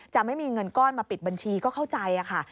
ไม่มีเงินก้อนมาปิดบัญชีก็เข้าใจค่ะ